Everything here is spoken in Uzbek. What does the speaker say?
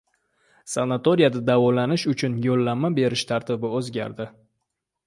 Sanatoriyda davolanish uchun yo‘llanma berish tartibi o‘zgardi